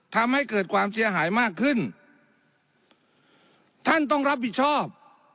ทำให้เกิดความเสียหายมากขึ้นท่านต้องรับผิดชอบ